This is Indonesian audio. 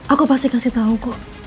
aku pasti kasih tahu kok